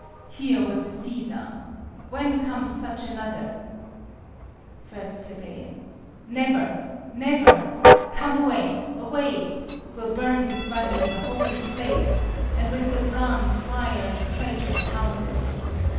Here was a Cæsar! When comes such another? 1 Ple. Never, never! Come, away, away! We'll burn his body in the holy place, And with the brands fire the traitors' houses.